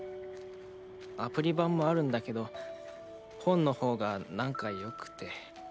アプリ版もあるんだけど本の方がなんかよくて。